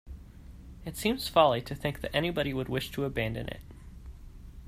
It seems folly to think that anybody would wish to abandon it.